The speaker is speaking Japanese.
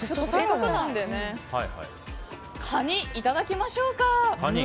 カニ、いただきましょうか。